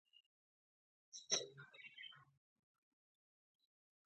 هېواد ته عقل ورکړئ